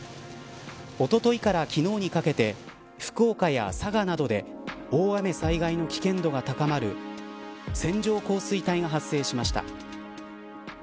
おとといから昨日にかけて福岡や佐賀などで大雨災害の危険度が高まる線状降水帯が発生しました。